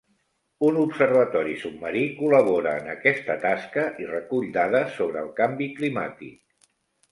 Un observatori submarí col·labora en aquesta tasca i recull dades sobre el canvi climàtic.